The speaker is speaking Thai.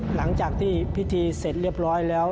หลังจากที่พิธีเสร็จเรียบร้อยแล้ว